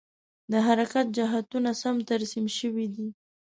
د حرکت جهتونه سم ترسیم شوي دي؟